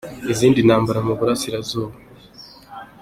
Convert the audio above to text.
Izindi ntambara mu Burasirazuba